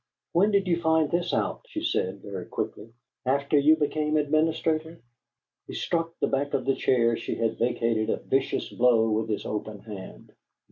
"When did you find this out?" she said, very quickly. "After you became administrator?" He struck the back of the chair she had vacated a vicious blow with his open hand.